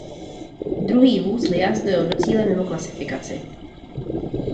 Druhý vůz Liaz dojel do cíle mimo klasifikaci.